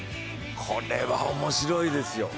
これは面白いですよ。